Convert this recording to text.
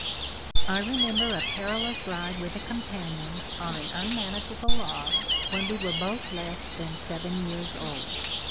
I remember a perilous ride with a companion on an unmanageable log, when we were both less than seven years old.